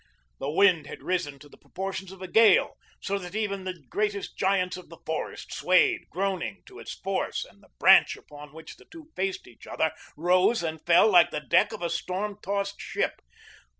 The wind had risen to the proportions of a gale so that even the greatest giants of the forest swayed, groaning, to its force and the branch upon which the two faced each other rose and fell like the deck of a storm tossed ship.